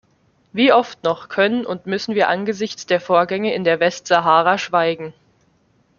Wie oft noch können und müssen wir angesichts der Vorgänge in der Westsahara schweigen?